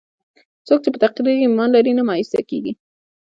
څوک چې په تقدیر ایمان لري، نه مایوسه کېږي.